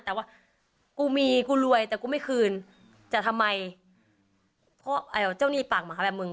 แต่ว่ากูมีกูรวยแต่กูไม่คืนจะทำไมเพราะเจ้าหนี้ปากหมาแบบมึง